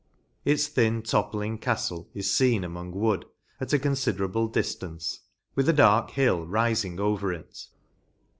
Its thin toppling .caftle is feen among wood, at a confiderable diftance, with a dark hill rifmg over it.